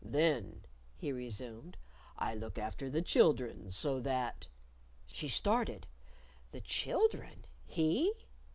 "Then," he resumed, "I look after the children, so that " She started. The children! _he?